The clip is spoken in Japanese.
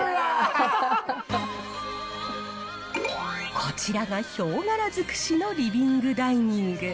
こちらがヒョウ柄尽くしのリビングダイニング。